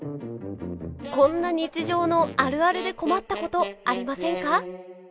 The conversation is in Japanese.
こんな日常のあるあるで困ったことありませんか？